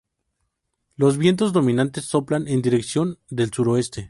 Los vientos dominantes soplan en dirección del suroeste.